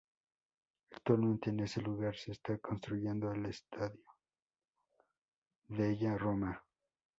Actualmente en ese lugar se está construyendo el Stadio della Roma.